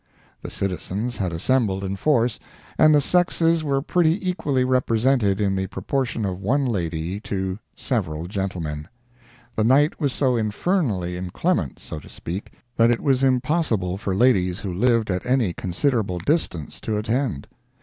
The citizens had assembled in force, and the sexes were pretty equally represented in the proportion of one lady to several gentlemen. The night was so infernally inclement—so to speak—that it was impossible for ladies who lived at any considerable distance to attend.